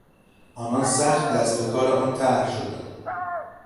آنان سخت دست به کار آن طرح شدند.